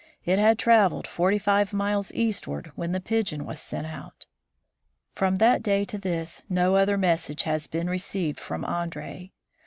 It had traveled forty five miles eastward when the pigeon was sent out. From that day to this, no other message has been received from Andree.